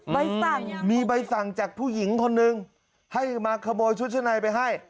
ใบสั่งมีใบสั่งจากผู้หญิงคนนึงให้มาขโมยชุดชั้นในไปให้